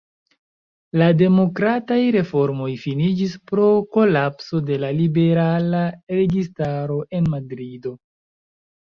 La demokrataj reformoj finiĝis pro kolapso de la liberala registaro en Madrido.